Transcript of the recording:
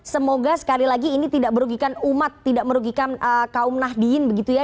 semoga sekali lagi ini tidak merugikan umat tidak merugikan kaum nahdien begitu ya